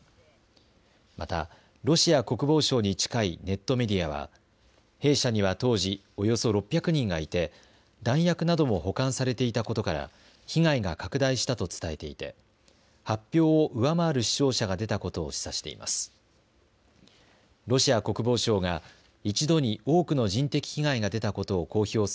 また、ロシア国防省に近いネットメディアは兵舎には当時およそ６００人がいて弾薬なども保管されていたことから被害が拡大したと伝えていて発表を上回る死傷者が出たことを示唆しています。